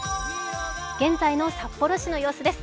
現在の札幌市の様子です。